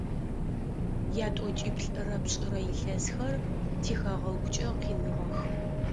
Ятӏокӏиплӏырэ пшӏырэ илъэсхэр тихэгъэгукӏэ къиныгъэх.